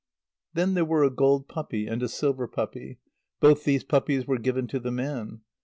Then there were a gold puppy and a silver puppy. Both these puppies were given to the man.